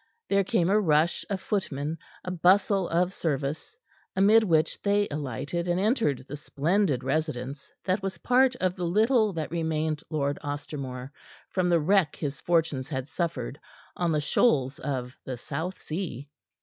There came a rush of footmen, a bustle of service, amid which they alighted and entered the splendid residence that was part of the little that remained Lord Ostermore from the wreck his fortunes had suffered on the shoals of the South Sea.